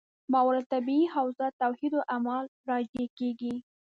ماورا الطبیعي حوزه توحید اعمال راجع کېږي.